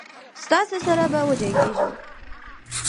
ستاسي سره به وجنګیږو.